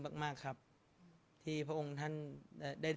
สงฆาตเจริญสงฆาตเจริญ